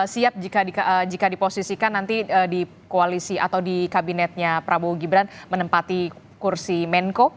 siap jika diposisikan nanti di koalisi atau di kabinetnya prabowo gibran menempati kursi menko